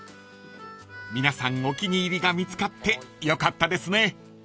［皆さんお気に入りが見つかってよかったですね］